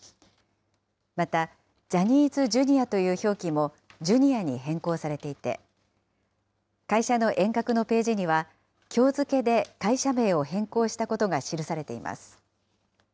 また、ジャニーズＪｒ．という表記も、ジュニアに変更されていて、会社の沿革のページには、きょう付けで会社名を変更したことが記されています。